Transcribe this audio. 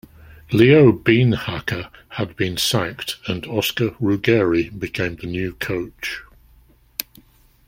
Leo Beenhakker had been sacked and Oscar Ruggeri became the new coach.